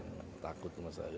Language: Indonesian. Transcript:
enggak ada yang takut sama saya